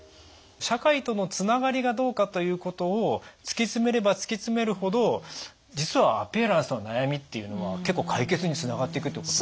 社会とのつながりがどうかということを突き詰めれば突き詰めるほど実はアピアランスの悩みっていうのは結構解決につながっていくということ。